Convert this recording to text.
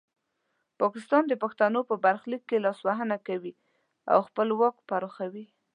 پاکستان د پښتنو په برخلیک کې لاسوهنه کوي او خپل واک پراخوي.